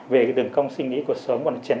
về đường cong sinh lý của cuộc sống